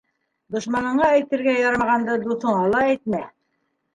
Дошманыңа әйтергә ярамағанды дуҫыңа ла әйтмә: